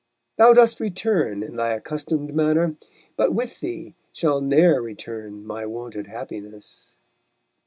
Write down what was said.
thou dost return In thy accustom'd manner, but with thee Shall ne'er return my wonted happiness_.